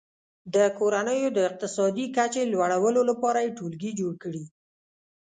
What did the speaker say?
د کورنیو د اقتصادي کچې لوړولو لپاره یې ټولګي جوړ کړي.